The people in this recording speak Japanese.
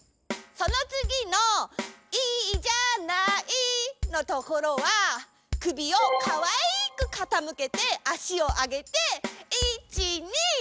そのつぎの「いいじゃない」のところは首をかわいくかたむけてあしをあげて「いち、に！」。